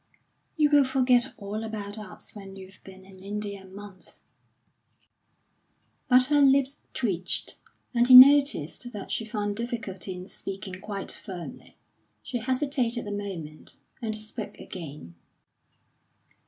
"You will forget all about us when you've been in India a month." But her lips twitched, and he noticed that she found difficulty in speaking quite firmly. She hesitated a moment, and spoke again.